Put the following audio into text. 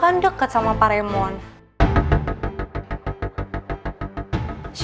dan ternyata tidak pandemisendas harnansang artifesy